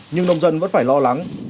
nhưng nông dân vẫn phải lo lắng